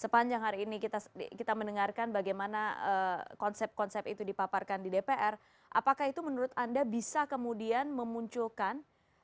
sepanjang hari ini kita mendengarkan bagaimana konsep konsep itu dipaparkan di dpr apakah itu menurut anda bisa kemudian memunculkan